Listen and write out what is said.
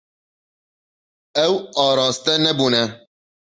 Ew araste nebûne.